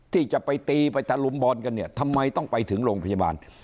ที่จะไปตีไปตะลุมบอลกันเนี่ยทำไมต้องไปถึงโรงพยาบาล